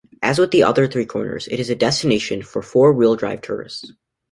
As with the other three corners it is a destination for four-wheel-drive tourists.